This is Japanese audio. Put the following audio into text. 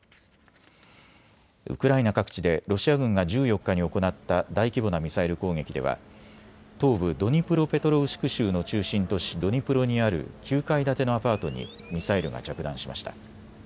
ウクライナ各地でロシア軍が１４日に行った大規模なミサイル攻撃では東部ドニプロペトロウシク州の中心都市ドニプロにある９階建てのアパートにミサイルが着弾しました。